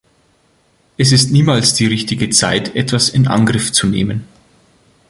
Es ist niemals die richtige Zeit, etwas in Angriff zu nehmen.